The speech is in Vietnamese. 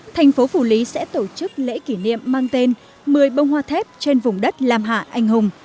thành phố phủ lý sẽ tổ chức lễ kỷ niệm mang tên một mươi bông hoa thép trên vùng đất lam hạ anh hùng